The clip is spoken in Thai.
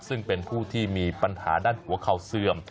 ซึ่งเป็นผู้ที่มีปัญหาด้านหัวเข่าเสื่อม